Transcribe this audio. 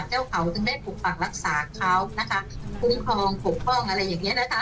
จึงได้พกฝั่งรักษาเค้านะคะบุงพองผมพ่องอะไรแบบนี้นะคะ